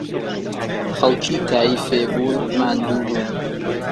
خەڵکی تاییفێ بوون، ماندوو بوون